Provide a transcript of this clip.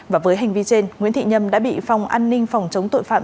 và với hành vi trên nguyễn thị nhâm đã bị phòng an ninh phòng chống tội phạm